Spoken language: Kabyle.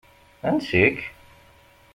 Ansi-k?